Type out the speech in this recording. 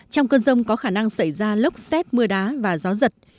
trong cơn rông có khả năng xảy ra lốc xét mưa đá và gió giật